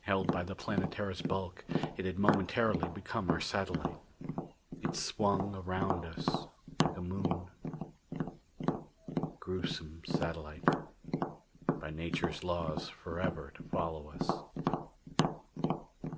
Held by the Planetara's bulk, it had momentarily become our satellite. It swung around us like a moon. Gruesome satellite, by nature's laws forever to follow us.